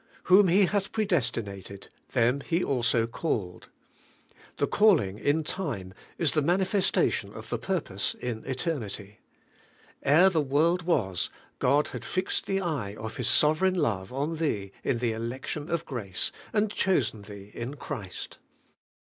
'Whom He hath pre destinated, them He also called.' The calling in time is the manifestation of the purpose in eternity. Ere the world was, God had fixed the eye of His sovereign love on thee in the election of grace, and chosen thee in Christ.